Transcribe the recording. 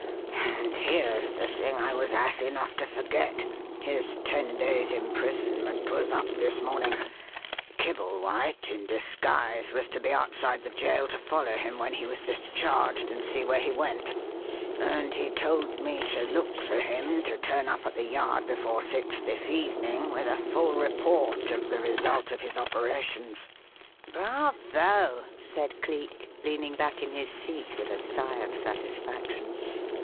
And here's the thing I was ass enough to forget: His ten days' imprisonment was up this morning; Kibblewhite, in disguise, was to be outside the jail to follow him when he was discharged and see where he went, and he told me to look for him to turn up at the Yard before six this evening with a full report of the result of his operations." "Bravo!" said Cleek, leaning back in his seat, with a sigh of satisfaction.